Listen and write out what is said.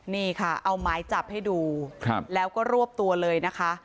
นี่ค่ะเอาหมายจับให้ดูแล้วก็รวบตัวเลยนะคะ